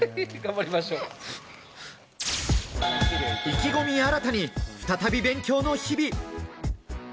意気込みを新たに再び勉強の日々。